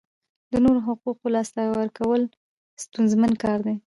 د نورو حقوقو لاسه ورکول ستونزمن کار دی.